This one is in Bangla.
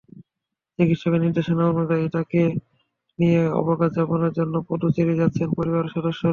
চিকিৎসকের নির্দেশনা অনুযায়ী তাঁকে নিয়ে অবকাশ যাপনের জন্য পদুচেরি যাচ্ছেন পরিবারের সদস্যরা।